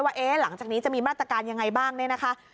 ว่าหลังจากนี้จะมีมาตรการยังไงบ้างเนี่ยนะคะ